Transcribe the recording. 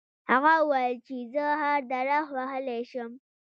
هغه وویل چې زه هر درخت وهلی شم.